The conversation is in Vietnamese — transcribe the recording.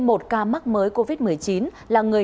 một ca mắc mới covid một mươi chín là người